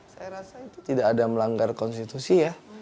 saya rasa itu tidak ada melanggar konstitusi ya